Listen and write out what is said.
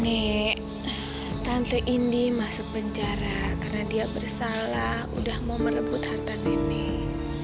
nenek tante ini masuk penjara karena dia bersalah udah mau merebut harta nenek